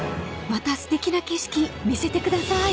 ［またすてきな景色見せてください］